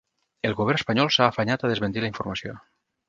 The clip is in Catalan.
El govern espanyol s’ha afanyat a desmentir la informació.